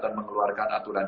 terdapat juga data setan